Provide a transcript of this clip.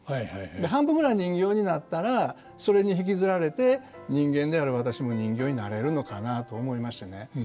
で半分ぐらい人形になったらそれに引きずられて人間である私も人形になれるのかなと思いましてね。